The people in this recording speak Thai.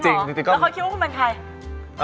แล้วเขาคิดว่าคุณเป็นใคร